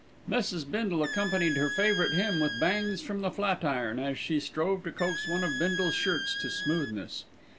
Mrs. Bindle accompanied her favourite hymn with bangs from the flat iron as she strove to coax one of Bindle's shirts to smoothness.